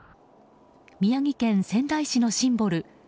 宮城県仙台市のシンボル